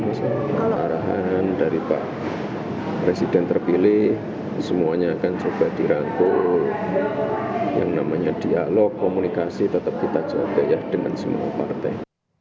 gibran juga menambahkan hingga saat ini presiden terpilih prabowo subianto masih terus berupaya untuk menjalin komunikasi dan merangkul setiap pihak